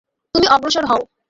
তুমি অগ্রসর হও।